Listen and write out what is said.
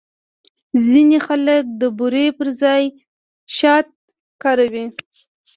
ځینې خلک د بوري پر ځای شات کاروي.